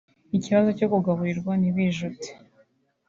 Ikibazo cyo kugaburirwa ntibijute